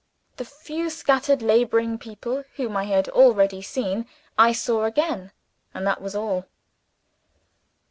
The few scattered laboring people, whom I had already seen, I saw again and that was all.